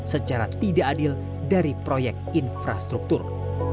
secara tidak adil dari proyek infrastruktur